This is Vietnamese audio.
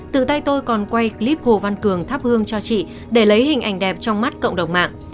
từ tay tôi còn quay clip hồ văn cường thắp hương cho chị để lấy hình ảnh đẹp trong mắt cộng đồng mạng